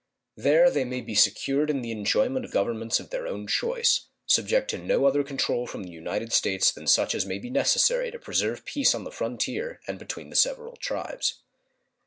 There they may be secured in the enjoyment of governments of their own choice, subject to no other control from the United States than such as may be necessary to preserve peace on the frontier and between the several tribes.